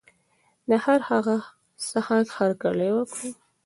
د هر هغه څه هرکلی وکړه.